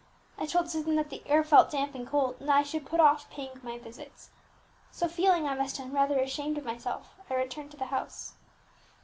I told Susan that the air felt damp and cold, and that I should put off paying my visits. So feeling, I must own, rather ashamed of myself, I returned to the house."